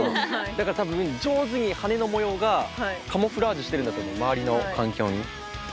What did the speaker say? だから多分上手にはねの模様がカムフラージュしてるんだと思う周りの環境に。